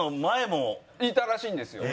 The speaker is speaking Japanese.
いたらしいんですよ。